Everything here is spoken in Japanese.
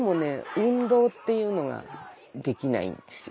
運動っていうのができないんですよ